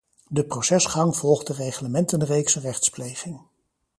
De procesgang volgt de Reglementenreeks Rechtspleging.